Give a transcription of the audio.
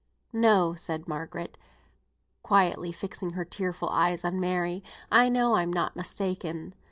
"No," said Margaret, quietly fixing her tearful eyes on Mary; "I know I'm not mistaken.